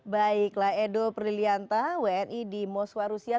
baiklah edo prilianta wni di moskwa rusia